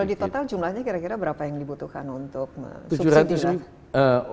kalau di total jumlahnya kira kira berapa yang dibutuhkan untuk subsidi lah